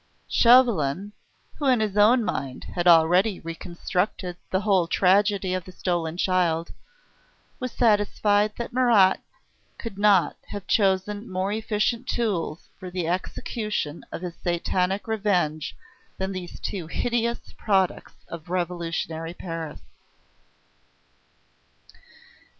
Chauvelin, who in his own mind had already reconstructed the whole tragedy of the stolen child, was satisfied that Marat could not have chosen more efficient tools for the execution of his satanic revenge than these two hideous products of revolutionary Paris.